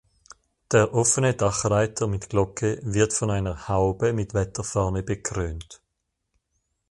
Der offene Dachreiter mit Glocke wird von einer Haube mit Wetterfahne bekrönt.